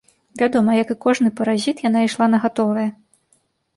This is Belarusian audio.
Вядома, як і кожны паразіт, яна ішла на гатовае.